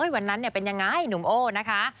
วันนั้นเป็นยังไงหนุ่มโอ้นะคะ